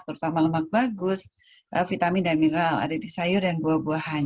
terutama lemak bagus vitamin dan mineral ada di sayur dan buah buahan